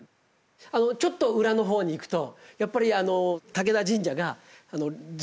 あのちょっと裏の方に行くとやっぱりああ